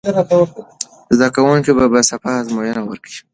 زده کوونکي به سبا ازموینه ورکوي.